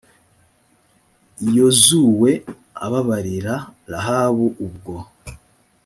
yozuwe ababarira rahabu ubwo.